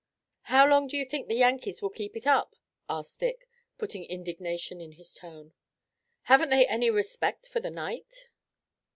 "How long do you think the Yankees will keep it up?" asked Dick, putting indignation in his tone. "Haven't they any respect for the night?"